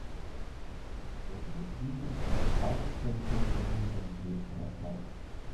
Heute dient es als Tagungszentrum der Universität Breslau.